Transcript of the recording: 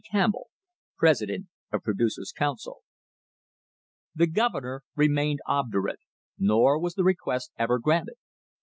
Campbell, President of Producers* Council." The Governor remained obdurate, nor was the request ever granted.